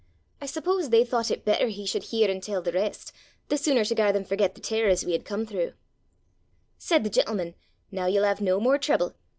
I suppose they thoucht it better he should hear an' tell the rest, the sooner to gar them forget the terrors we had come throuw. "Said the gentleman, 'Now you'll have no more trouble.